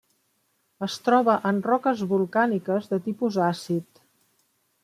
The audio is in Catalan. Es troba en roques volcàniques de tipus àcid.